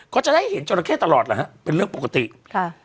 ก็จะได้เห็นจราเข้ตลอดแหละฮะเป็นเรื่องปกติค่ะ